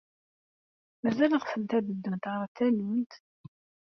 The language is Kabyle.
Mazal ɣsent ad ddunt ɣer tallunt?